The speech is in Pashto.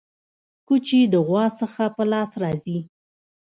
کوچي د غوا څخه په لاس راځي.